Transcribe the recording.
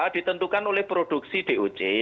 ditentukan oleh produksi doc